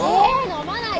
飲まない。